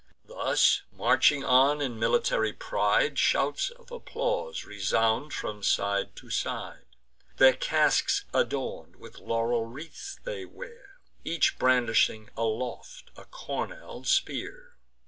Thus marching on in military pride, Shouts of applause resound from side to side. Their casques adorn'd with laurel wreaths they wear, Each brandishing aloft a cornel spear.